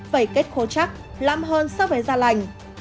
vẩy kết khô chắc lãng hơn so với da lành